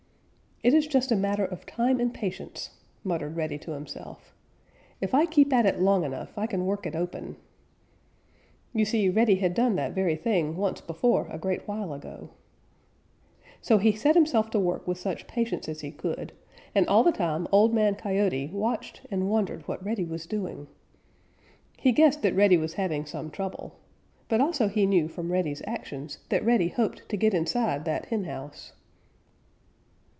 "It is just a matter of time and patience," muttered Reddy to himself. "If I keep at it long enough, I can work it open." You see Reddy had done that very thing once before a great while ago. So he set himself to work with such patience as he could, and all the time Old Man Coyote watched and wondered what Reddy was doing. He guessed that Reddy was having some trouble, but also he knew from Reddy's actions that Reddy hoped to get inside that henhouse.